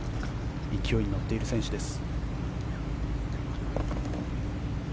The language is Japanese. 勢いに乗っている選手です。